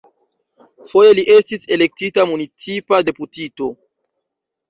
Foje li estis elektita municipa deputito.